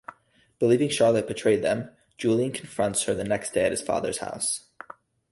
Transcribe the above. Believing Charlotte betrayed them, Julien confronts her the next day at his father's house.